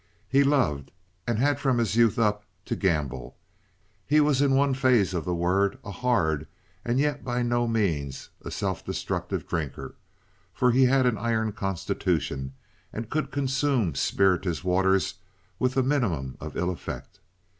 He loved, and had from his youth up, to gamble. He was in one phase of the word a HARD and yet by no means a self destructive drinker, for he had an iron constitution and could consume spirituous waters with the minimum of ill effect.